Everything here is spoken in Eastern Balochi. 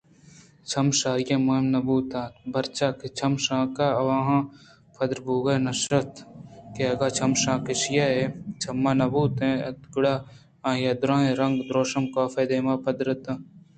چم شرّی ءَمہم نہ بوت اَنت پرچا کہ چشمک آواناں پدّربوہگ ءَ نہ اِشت اَنت اگاں چمشک ایشی ءِچمان مہ بوتیں اَنت گُڑا آئی ءِدُرٛاہیں رنگ ءُدرٛوشم کاف ءِ دیم ءَ پدّر اِت اَنت